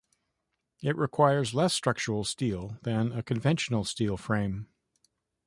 It requires less structural steel than a conventional steel frame.